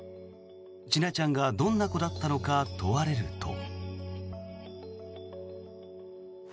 千奈ちゃんがどんな子だったのか問われると。